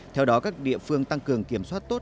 theo đó các địa phương tăng cường kiểm soát tốt